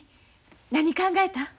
何考えたん？